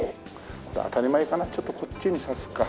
当たり前かなちょっとこっちに挿すか。